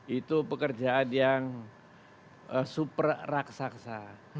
itu pekerjaan yang super raksasa